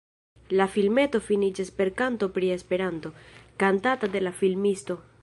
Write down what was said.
La filmeto finiĝas per kanto pri Esperanto, kantata de la filmisto.